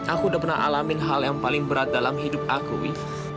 aku udah pernah alamin hal yang paling berat dalam hidup aku